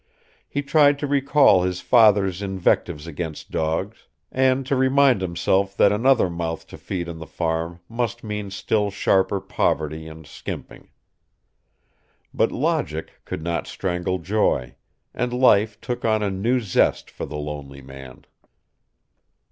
He tried to recall his father's invectives against dogs, and to remind himself that another mouth to feed on the farm must mean still sharper poverty and skimping. But logic could not strangle joy, and life took on a new zest for the lonely man.